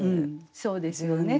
そうですよね。